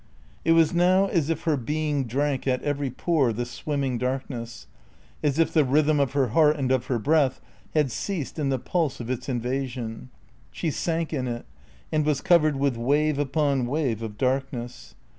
It was now as if her being drank at every pore the swimming darkness; as if the rhythm of her heart and of her breath had ceased in the pulse of its invasion. She sank in it and was covered with wave upon wave of darkness.